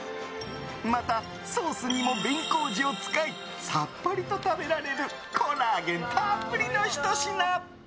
またソースにも紅麹を使いさっぱりと食べられるコラーゲンたっぷりのひと品。